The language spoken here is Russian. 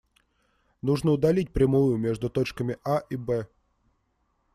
Нужно удалить прямую между точками А и Б.